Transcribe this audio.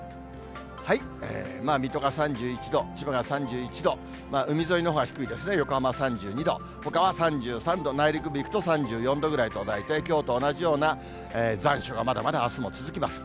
水戸が３１度、千葉が３１度、海沿いのほうは低いですね、横浜３２度、ほかは３３度、内陸部いくと３４度ぐらいと、大体きょうと同じような残暑がまだまだあすも続きます。